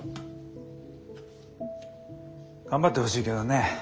頑張ってほしいけどね